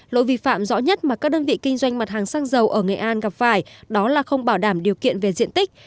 lỗi vi phạm rõ nhất mà các đơn vị kinh doanh mặt hàng xăng dầu ở nghệ an gặp phải đó là không bảo đảm điều kiện về diện tích